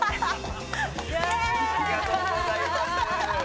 ありがとうございます。